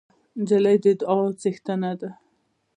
نجلۍ د دعاوو څښتنه ده.